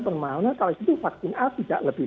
permainan kalau itu vaksin a tidak lebih